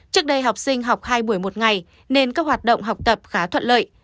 trước đây học sinh học hai buổi một ngày nên các hoạt động học tập khá thuận lợi